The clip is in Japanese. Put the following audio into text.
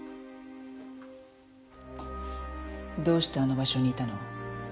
どうしてあの場所にいたの？